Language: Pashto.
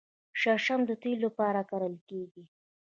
شړشم د تیلو لپاره کرل کیږي.